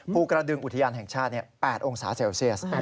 ภูกระดึงอุทยานแห่งชาติ๘องศาเซลเซียส